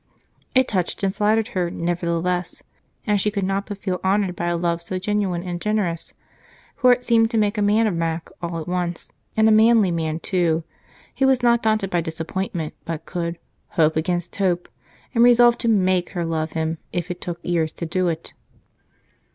It touched and flattered her, nevertheless and she could not but feel honored by a love so genuine and generous, for it seemed to make a man of Mac all at once, and a manly man, too, who was not daunted by disappointment but could "hope against hope" and resolve to make her love him if it took years to do it.